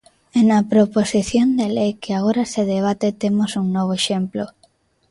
E na proposición de lei que agora se debate temos un novo exemplo.